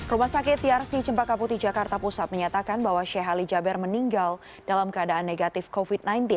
rumah sakit trc cempaka putih jakarta pusat menyatakan bahwa sheikh ali jaber meninggal dalam keadaan negatif covid sembilan belas